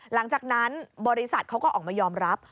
หลังจากนั้นบริษัทเขาก็ออกมายอมรับ